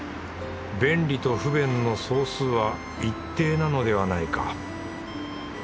便利と不便の総数は一定なのではないか？